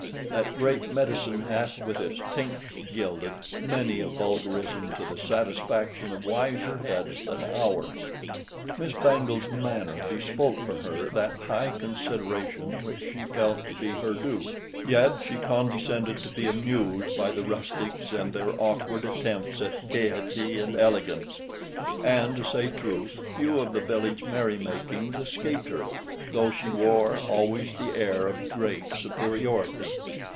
That great medicine hath With its tinct gilded— many a vulgarism to the satisfaction of wiser heads than ours. Miss Bangle's manner bespoke for her that high consideration which she felt to be her due. Yet she condescended to be amused by the rustics and their awkward attempts at gaiety and elegance; and, to say truth, few of the village merry makings escaped her, though she wore always the air of great superiority.